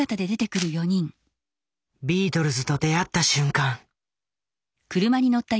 ビートルズと出会った瞬間。